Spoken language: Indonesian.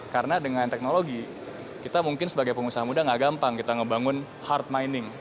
karena dengan teknologi kita mungkin sebagai pengusaha muda nggak gampang kita ngebangun hard mining